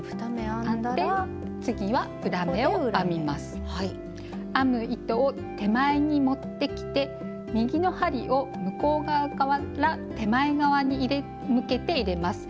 編む糸を手前に持ってきて右の針を向こう側から手前側に向けて入れます。